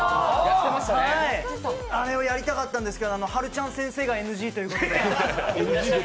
あれをやりたかったんですけど、はるちゃん先生がＮＧということで。